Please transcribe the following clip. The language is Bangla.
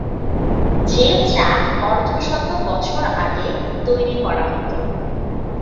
যে চা অর্ধশত বছর আগে তৈরি করা হতো।